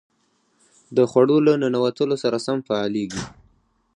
د خوړو له ننوتلو سره سم فعالېږي.